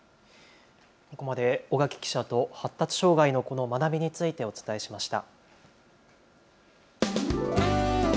ここまで尾垣記者と発達障害の子の学びについてお伝えしました。